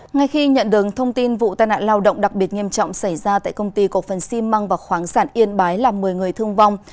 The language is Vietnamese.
ngay khi nhận được thông tin vụ tai nạn lao động đặc biệt nghiêm trọng xảy ra tại công ty cổ phần xi măng và khoáng sản yên bái làm một mươi người thương vong